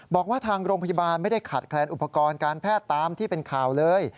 บอกว่าทางโรงพยาบาลไม่ได้ขาดแคลนอุปกรณ์การแพทย์ตามที่เป็นข่าวเลย